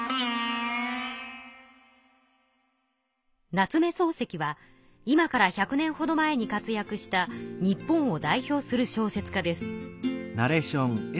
夏目漱石は今から１００年ほど前に活やくした日本を代表する小説家です。